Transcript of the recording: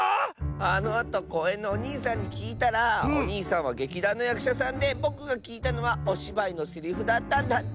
あのあとこうえんのおにいさんにきいたらおにいさんは劇団のやくしゃさんでぼくがきいたのはおしばいのセリフだったんだって！